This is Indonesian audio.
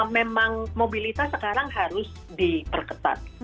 memang mobilitas sekarang harus diperketat